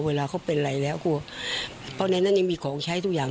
เวลาเขาเป็นอะไรแล้วก็เพราะในนั้นยังมีของใช้ทุกอย่าง